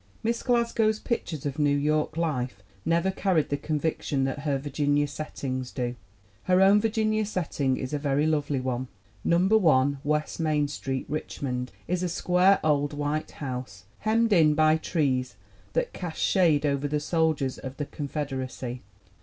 Miss Glasgow's pictures of New York life never carry the conviction that her Virginia set tings do. Her own Virginia setting is a very lovely one. Num ber One West Main Street, Richmond, is a square old white house, "hemmed in by trees that cast shade over the soldiers of the Confederacy."